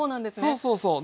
そうそうそう。